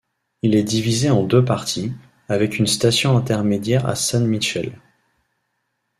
Il est divisé en deux parties, avec une station intermédiaire à San Michele.